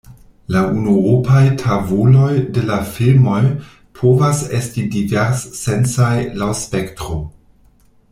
La unuopaj tavoloj de la filmoj povas esti divers-sensaj laŭ spektro.